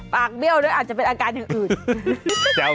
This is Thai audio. ปากเบี้ยวด้วยอาจจะเป็นอาการอย่างอืด